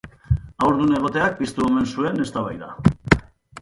Haurdun egoteak piztu omen zuen eztabaida.